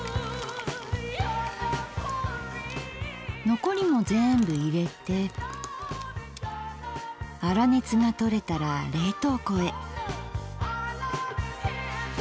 残りも全部入れて粗熱が取れたら冷凍庫へ。